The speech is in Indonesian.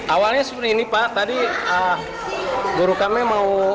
awalnya seperti ini pak tadi guru kami mau